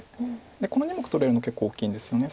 この２目取れるの結構大きいんですよね。